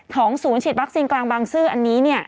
ศูนย์ฉีดวัคซีนกลางบางซื่ออันนี้เนี่ย